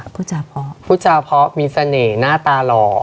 พูดจาเพราะพูดจาเพราะมีเสน่ห์หน้าตาหล่อ